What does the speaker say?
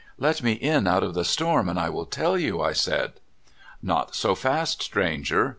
*' Let me in out of the storm, and I will tell you," I said. Not so fast, stranger.